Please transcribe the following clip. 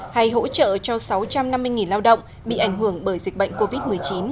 hay hỗ trợ cho sáu trăm năm mươi lao động bị ảnh hưởng bởi dịch bệnh covid một mươi chín